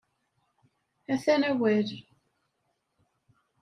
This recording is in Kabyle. Atan awal.